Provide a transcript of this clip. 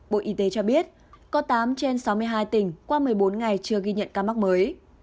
bộ y tế cho biết có tám trên sáu mươi hai tỉnh qua một mươi bốn ngày chưa ghi nhận ca mắc mới